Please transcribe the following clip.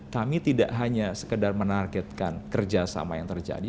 kami tidak hanya sekedar menargetkan kerjasama yang terjadi